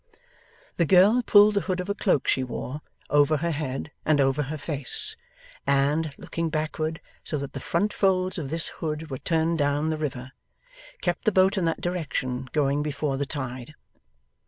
The girl pulled the hood of a cloak she wore, over her head and over her face, and, looking backward so that the front folds of this hood were turned down the river, kept the boat in that direction going before the tide.